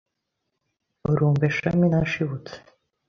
Urumve shami nashibutse,